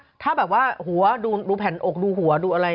ถ้าแบบว่าหัวดูแผ่นอกดูหัวดูอะไร